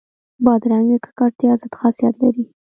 بادرنګ د ککړتیا ضد خاصیت لري.